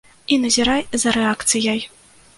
І назірай за рэакцыяй.